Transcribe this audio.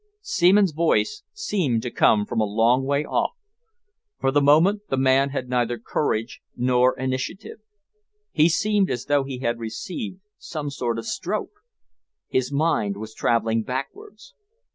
Seaman's voice seemed to come from a long way off. For the moment the man had neither courage nor initiative. He seemed as though he had received some sort of stroke. His mind was travelling backwards.